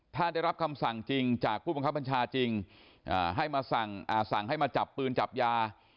ถ้าได้รับคำสั่งจริงจากผู้บังคับบัญชาจริงให้มาสั่งให้มาจับปืนจับยา